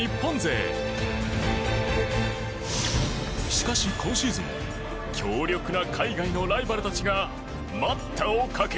しかし今シーズン強力な海外のライバルたちが待ったをかける。